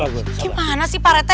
gimana sih pak rete